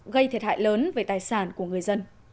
gây thiệt hại lớn về tài sản của người dân